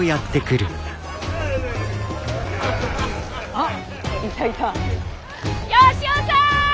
あっいたいた吉雄さん！